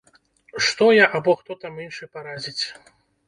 Што я або хто там іншы парадзіць!